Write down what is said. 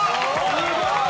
すごい。